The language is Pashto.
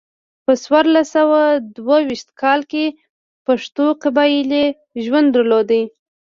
په څوارلس سوه دوه ویشت کال کې پښتنو قبایلي ژوند درلود.